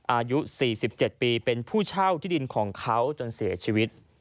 อายุ๔๗ปีเป็นผู้เช่าที่ดินของเขาจนเสียชีวิต